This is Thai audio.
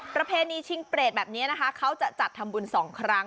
เท่านี้ชิงเปรตแบบนี้นะคะเค้าจะจัดทำบุญสองครั้ง